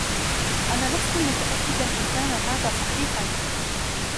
أنا لست متأكداً إن كان هذا صحيحاً.